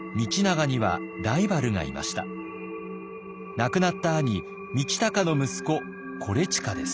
亡くなった兄道隆の息子伊周です。